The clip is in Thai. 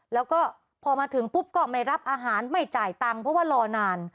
แล้วก็พอมาถึงปุ๊บก็ไม่รับอาหารไม่จ่ายตังค์เพราะว่ารอนาน